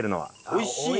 おいしい！